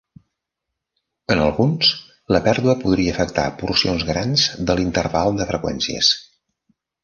En alguns, la pèrdua podria afectar porcions grans de l'interval de freqüències.